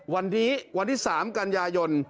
วันนี้วันที่๓กันยายน